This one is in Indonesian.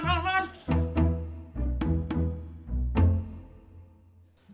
keluar keluar keluar